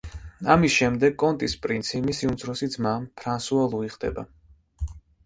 ამის შემდეგ კონტის პრინცი მისი უმცროსი ძმა ფრანსუა ლუი ხდება.